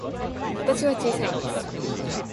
私は小さいです。